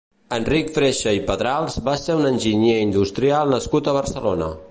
Enric Freixa i Pedrals va ser un enginyer industrial nascut a Barcelona.